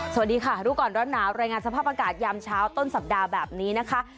สวัสดีค่ะรู้ก่อนร้อนหนาวรายงานสภาพอากาศยามเช้าต้นสัปดาห์แบบนี้นะคะ